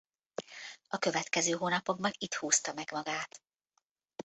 A következő hónapokban itt húzta meg magát.